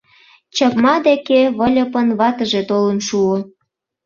Чыкма деке Выльыпын ватыже толын шуо.